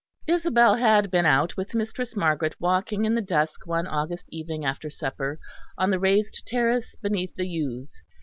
Isabel had been out with Mistress Margaret walking in the dusk one August evening after supper, on the raised terrace beneath the yews.